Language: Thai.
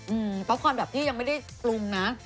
อื้มป๊อปคอนแบบที่ยังไม่ได้ปรุงนะ